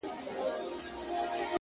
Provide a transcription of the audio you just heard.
خپل وخت په موخه مصرف کړئ,